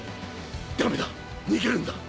ダメだ逃げるんだ